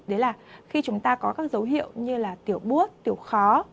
đấy là khi chúng ta có các dấu hiệu như là tiểu bút tiểu khó